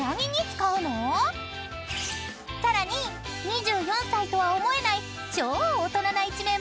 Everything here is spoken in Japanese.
［さらに２４歳とは思えない超］いいね！